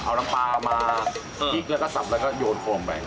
เอาน้ำปลามาพริกแล้วก็สับแล้วก็โยนโคมไป